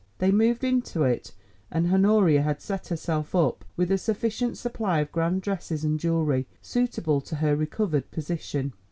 They moved into it, and Honoria had set herself up with a sufficient supply of grand dresses and jewellery, suitable to her recovered position.